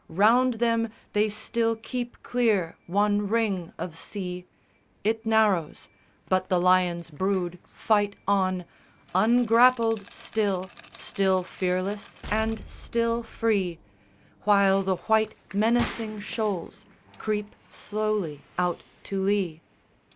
Round them they still keep clear one ring of sea: It narrows; but the lion's brood fight on, Ungrappled still, still fearless and still free, While the white menacing shoals creep slowly out to lee.